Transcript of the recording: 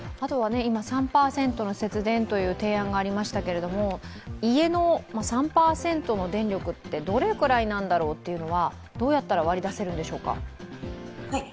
３％の節電という提案がありましたけれども、家の３％の電力ってどれくらいなんだろうというのはどうやったら割り出せるんでしょうか。